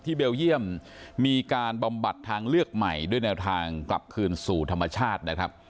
เบลเยี่ยมมีการบำบัดทางเลือกใหม่ด้วยแนวทางกลับคืนสู่ธรรมชาตินะครับ